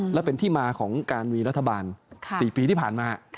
และเป็นที่มาของการมีรัฐบาล๔ปีที่ผ่านมา